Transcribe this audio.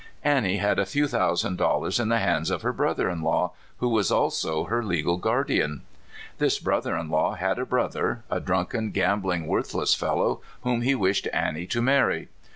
Annie had a few thousand dollars in the hands of her brother in law, who was also her legal guardian. This brother in law^ had a brother, a drunken, gambling, worthless fellow, whom he wished Annie to marry.